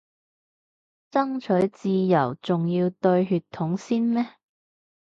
爭取自由仲要對血統先咩